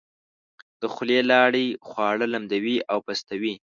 د خولې لاړې خواړه لمدوي او پستوي.